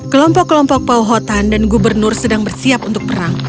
kelompok kelompok pauhotan dan gubernur sedang bersiap untuk perang